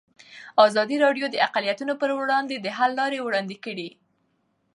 ازادي راډیو د اقلیتونه پر وړاندې د حل لارې وړاندې کړي.